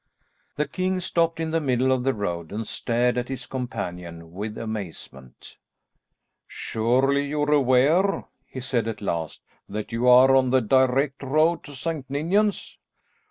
The king stopped in the middle of the road and stared at his companion with amazement. "Surely you are aware," he said at last, "that you are on the direct road to St. Ninians?"